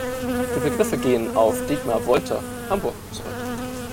Die Begriffe gehen auf Dietmar Wolter, Hamburg zurück.